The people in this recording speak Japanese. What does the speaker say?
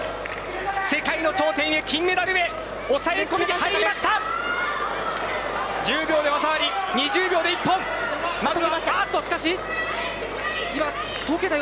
世界の頂点へ、金メダルへ抑え込みに入りました！